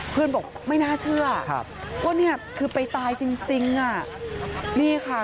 เพื่อนบอกไม่น่าเชื่อก็เนี่ยคือไปตายจริงอ่ะนี่ค่ะ